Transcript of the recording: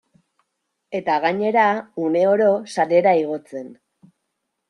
Eta gainera, uneoro sarera igotzen.